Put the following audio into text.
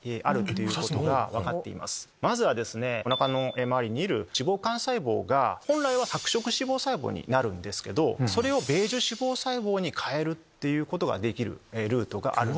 まずはおなかの周りにいる脂肪幹細胞が本来は白色脂肪細胞になるんですけどそれをベージュ脂肪細胞に変えることができるルートがある。